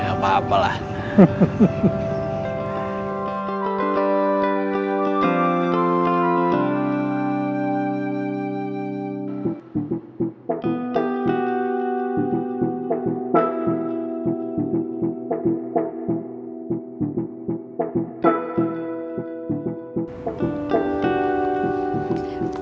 ya apa apalah